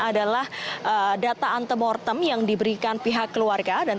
adalah data antemortem yang diberikan pihak keluarga